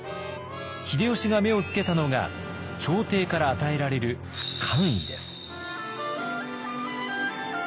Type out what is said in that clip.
秀吉が目をつけたのが朝廷から与えられる官位です。